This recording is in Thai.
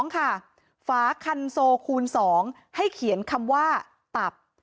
๒ค่ะฝาคันโซคูณ๒ให้เขียนคำว่าตับ